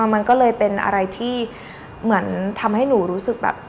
มันก็เลยเป็นอะไรที่เหมือนทำให้หนูรู้สึกแบบ